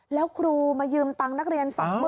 แล้วครูมายืมตังค์นักเรียน๒๐๐๐